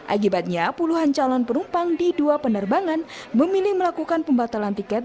akibatnya puluhan calon penumpang di dua penerbangan memilih melakukan pembatalan tiket